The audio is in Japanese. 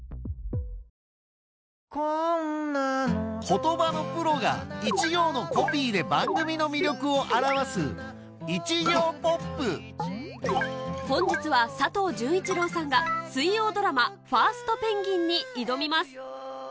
言葉のプロが一行のコピーで番組の魅力を表す本日は佐藤潤一郎さんが水曜ドラマ『ファーストペンギン！』に挑みます